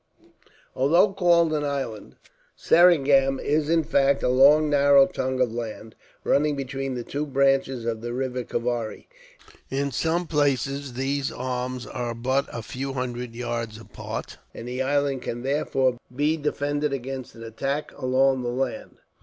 Although called an island, Seringam is in fact a long narrow tongue of land, running between the two branches of the river Kavari. In some places these arms are but a few hundred yards apart, and the island can therefore be defended against an attack along the land.